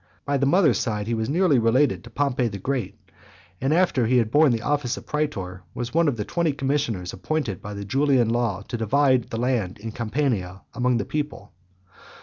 By the mother's side he was nearly related to Pompey the Great; and after he had borne the office of praetor, was one of the twenty commissioners appointed by the Julian law to divide the land in Campania among the people.